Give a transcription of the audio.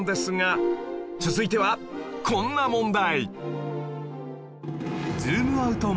続いてはこんな問題